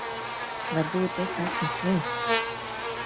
Varbūt es esmu slims.